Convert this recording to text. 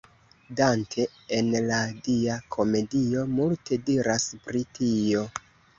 Dante en la Dia Komedio multe diras pri tio.